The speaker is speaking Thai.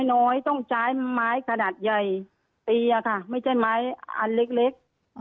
น้อยต้องใช้ไม้ขนาดใหญ่ตีอะค่ะไม่ใช่ไม้อันเล็ก